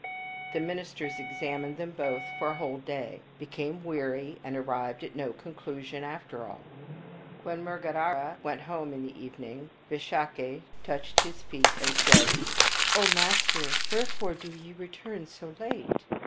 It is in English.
The ministers examined them both for a whole day, became weary, and arrived at no conclu sion after all. When Mrgadhara went home in the evening, Visakha touched his feet and said, "O master, wherefore do ye return so late?"